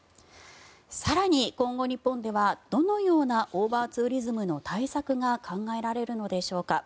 更に、今後、日本ではどのようなオーバーツーリズムの対策が考えられるのでしょうか。